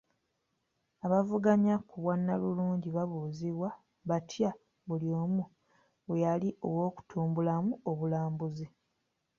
Abaavuganya ku bwannalulungi baabuuzibwa batya buli omu bwe yali ow'okutumbulamu obulambuzi.